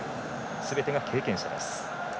すべてが経験者です。